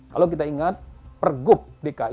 kalau kita ingat pergub dki jawa tengah ini